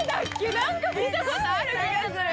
何か見たことある気がする！